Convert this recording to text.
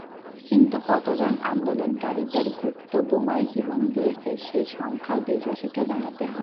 কিন্তু কতজন আন্দোলনকারীদের গুপ্ত বোমায় জীবন দিয়েছে, সেই সংখ্যাও দেশবাসীকে জানাতে হবে।